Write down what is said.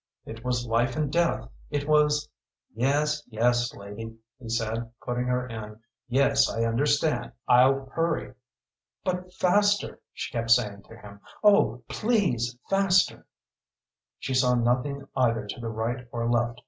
It was life and death, it was "Yes yes, lady," he said, putting her in. "Yes, I understand. I'll hurry." "But faster," she kept saying to him "oh please, faster!" She saw nothing either to the right or left.